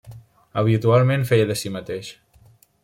Habitualment feia de si mateix.